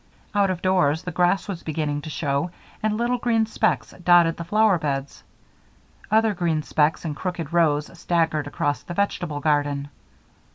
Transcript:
Out of doors, the grass was beginning to show and little green specks dotted the flower beds. Other green specks in crooked rows staggered across the vegetable garden.